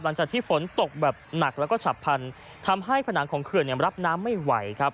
หลังจากที่ฝนตกแบบหนักแล้วก็ฉับพันธุ์ทำให้ผนังของเขื่อนเนี่ยรับน้ำไม่ไหวครับ